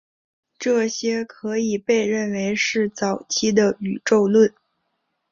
这些可以被认为是早期的宇宙论。